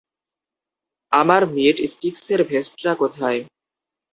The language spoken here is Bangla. আমার মীট স্টিক্সের ভেস্টটা কোথায়?